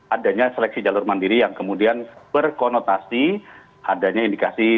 adanya seleksi jalur mandiri yang kemudian berkonotasi adanya indikasi